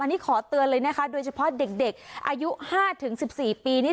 อันนี้ขอเตือนเลยนะคะโดยเฉพาะเด็กเด็กอายุห้าถึงสิบสี่ปีนี่